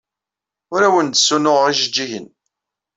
Ur awen-d-ssunuɣeɣ ijejjigen.